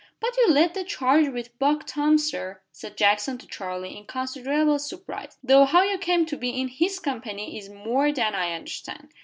"But you led the charge with Buck Tom, sir," said Jackson to Charlie, in considerable surprise, "though how you came to be in his company is more than I can understand."